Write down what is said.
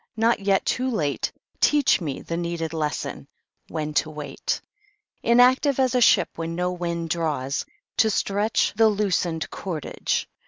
Not yet too late Teach me the needed lesson, when to wait Inactive as a ship when no wind draws To stretch the loosened cordage.